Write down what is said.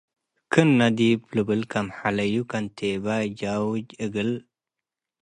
ክእነ ዲብ ልብል ክም ሐለዩ። ከንቴባይ ጃውጅ እግል